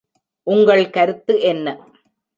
உங்கள் கருத்து என்ன?